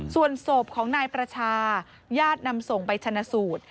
ส่วนศพของนายประชาญาตินำส่งไปชนะสูตร